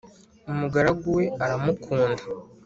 umugaragu we aramukunda